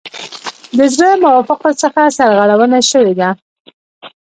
د زړو موافقو څخه سرغړونه شوې ده.